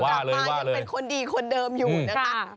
ว่ามาคุณเป็นคนดีคนเดิมอยู่นะคะ